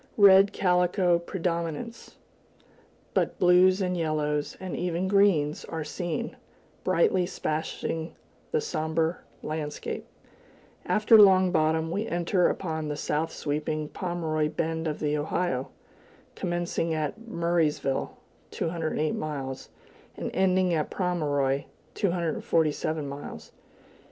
Red calico predominates, but blues and yellows, and even greens, are seen, brightly splashing the somber landscape. After Long Bottom, we enter upon the south sweeping Pomeroy Bend of the Ohio, commencing at Murraysville (208 miles) and ending at Pomeroy (247 miles).